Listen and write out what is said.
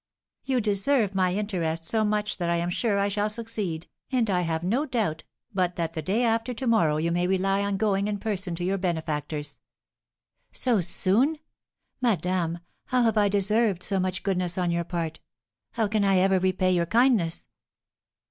"You deserve my interest so much that I am sure I shall succeed, and I have no doubt but that the day after to morrow you may rely on going in person to your benefactors." "So soon! Madame, how have I deserved so much goodness on your part? How can I ever repay your kindness?"